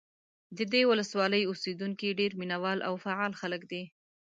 د دې ولسوالۍ اوسېدونکي ډېر مینه وال او فعال خلک دي.